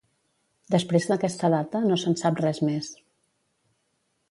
Després d'aquesta data no se'n sap res més.